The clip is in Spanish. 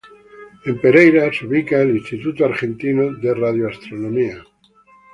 En Pereyra se ubica el Instituto Argentino de Radioastronomía.